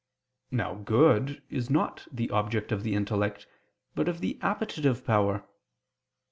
Now good is not the object of the intellect, but of the appetitive power.